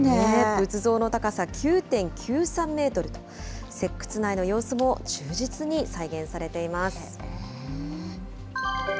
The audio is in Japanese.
仏像の高さ９．９３メートルと、石窟内の様子も忠実に再現されています。